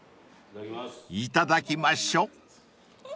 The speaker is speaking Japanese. ［いただきましょ］